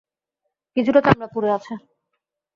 কিছুটা চামড়া পুড়ে আছে!